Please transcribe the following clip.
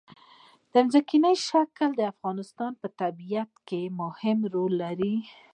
ځمکنی شکل د افغانستان په طبیعت کې مهم رول لري.